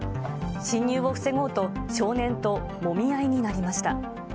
侵入を防ごうと少年ともみ合いになりました。